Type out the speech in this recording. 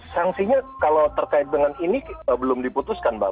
sanksinya kalau terkait dengan ini belum diputuskan mbak